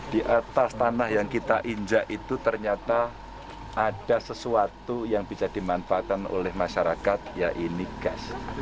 di atas tanah yang kita injak itu ternyata ada sesuatu yang bisa dimanfaatkan oleh masyarakat yaitu gas